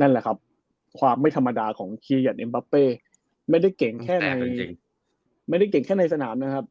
นั่นแหละครับความไม่ธรรมดาของเคียนเอ็มป๊าเป้ไม่ได้เก่งแค่ในสนามนะครับ